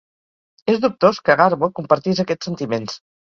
És dubtós que Garbo compartís aquests sentiments.